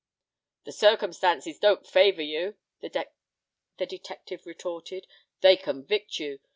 "The circumstances don't favor you," the detective retorted, "they convict you.